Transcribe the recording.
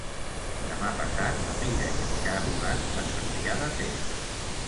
Demà passat na Mira i en Xavi van a Cervià de Ter.